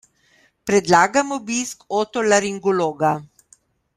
Predlagam obisk otolaringologa.